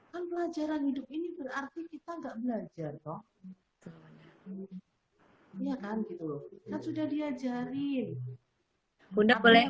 kan pelajaran hidup ini berarti kita sudah tidak belajar